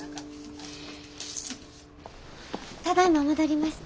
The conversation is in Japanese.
ただいま戻りました。